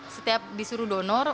setiap disuruh donor